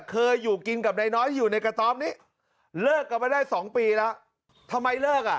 จ๊ะจ๊ะจ๊ะจ๊ะจ๊ะจ๊ะจ๊ะจ๊ะ